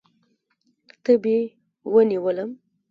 تبې ونیولم.